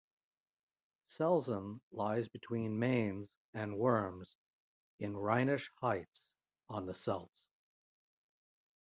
Selzen lies between Mainz and Worms in Rhenish Hesse on the Selz.